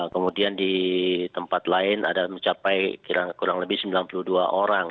kemudian di tempat lain ada mencapai kurang lebih sembilan puluh dua orang